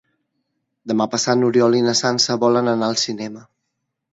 Demà passat n'Oriol i na Sança volen anar al cinema.